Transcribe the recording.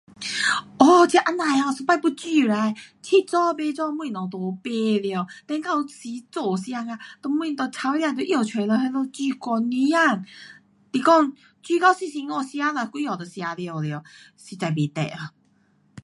哦，这这样的 um 一次要煮 right，七早八早东西都买了，then 到时做时间啊，就什就菜啊就拿出了那里煮一整天，是讲，煮到辛辛苦，吃了几下就吃完了。实在不值啊。